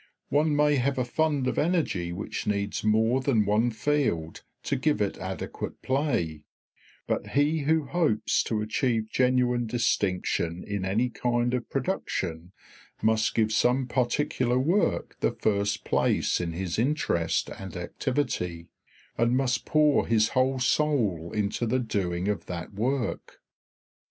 One may have a fund of energy which needs more than one field to give it adequate play; but he who hopes to achieve genuine distinction in any kind of production must give some particular work the first place in his interest and activity, and must pour his whole soul into the doing of that work.